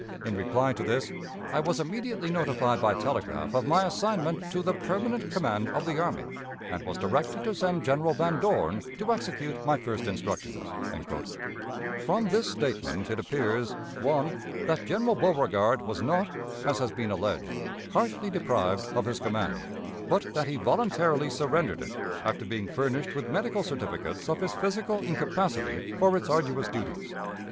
In reply to this, I was immediately notified by telegraph of my assignment to the 'permanent command of the army,' and was directed to send General Van Dorn to execute my first instructions." From this statement it appears 1. That General Beauregard was not, as has been alleged, harshly deprived of his command, but that he voluntarily surrendered it, after being furnished with medical certificates of his physical incapacity for its arduous duties.